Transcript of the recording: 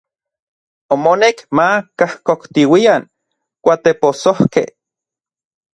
Omonek ma kajkoktiuian kuatepossojkej.